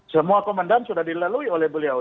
semua komandan sudah dilalui oleh beliau